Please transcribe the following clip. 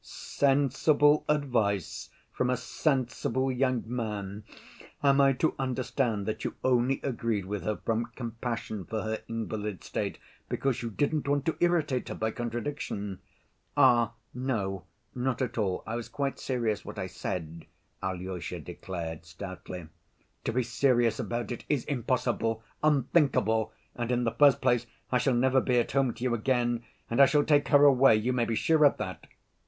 "Sensible advice from a sensible young man. Am I to understand that you only agreed with her from compassion for her invalid state, because you didn't want to irritate her by contradiction?" "Oh, no, not at all. I was quite serious in what I said," Alyosha declared stoutly. "To be serious about it is impossible, unthinkable, and in the first place I shall never be at home to you again, and I shall take her away, you may be sure of that."